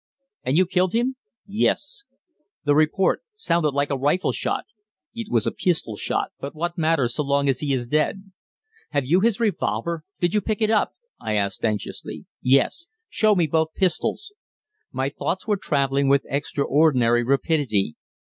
"And you killed him?" "Yes." "The report sounded like a rifle shot." "It was a pistol shot. But what matters, so long as he is dead?" "Have you his revolver? Did you pick it up?" I asked anxiously. "Yes." "Show me both pistols." My thoughts were travelling with extraordinary rapidity.